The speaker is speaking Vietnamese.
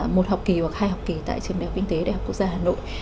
một học kỳ hoặc hai học kỳ tại trường đại học kinh tế đại học quốc gia hà nội